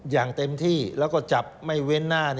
อย่างเต็มที่แล้วก็จับไม่เว้นหน้า